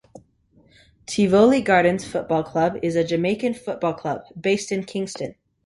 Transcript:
Tivoli Gardens Football Club is a Jamaican football club, based in Kingston.